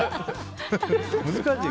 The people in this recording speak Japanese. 難しいね。